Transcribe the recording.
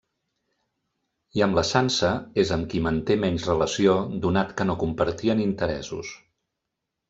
I amb la Sansa és amb qui manté menys relació donat que no compartien interessos.